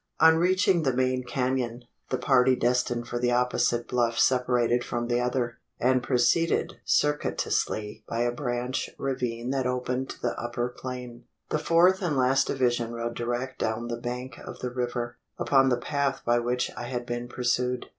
On reaching the main canon, the party destined for the opposite bluff separated from the other; and proceeded circuitously by a branch ravine that opened to the upper plain. The fourth and last division rode direct down the bank of the river upon the path by which I had been pursued.